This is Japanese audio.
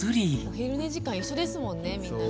お昼寝時間一緒ですもんねみんなね。